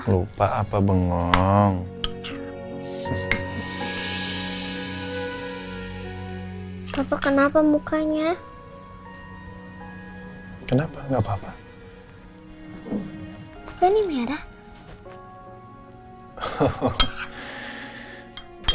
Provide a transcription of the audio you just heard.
lupa apa bengong papa kenapa mukanya kenapa nggak papa papa ini merah